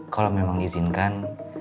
kalau memang izinkan